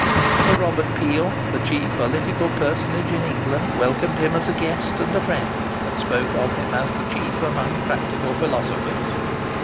Sir Robert Peel, the chief political personage in England, welcomed him as a guest and friend, and spoke of him as the chief among practical philosophers.